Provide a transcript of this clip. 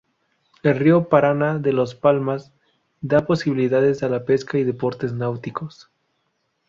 El río Paraná de las Palmas da posibilidades a la pesca y deportes náuticos.